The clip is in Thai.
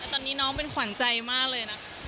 ตอนนี้น้องเป็นขวัญใจมากเลยนะคะ